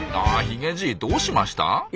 あヒゲじいどうしました？